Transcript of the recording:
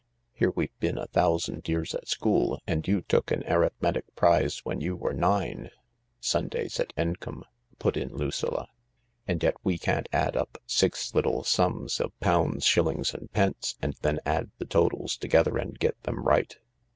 Here we've been a thousand years at school, and you took an arithmetic prize when you were nine ..(" 'Sundays at Encombe,' " put in Lucilla). "... And yet we can't add up six little sums of pounds, shillings, and pence and then add the totals together and get them right."